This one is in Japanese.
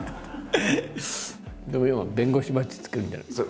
でも今は弁護士バッジつけるみたいな。